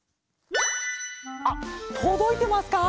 あっとどいてますか？